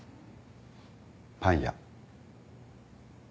パン屋。